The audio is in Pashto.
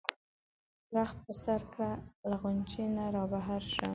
رخت په سر کړه له غُنچې نه را بهر شه.